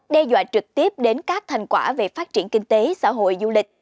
đe dọa trực tiếp đến các thành quả về phát triển kinh tế xã hội du lịch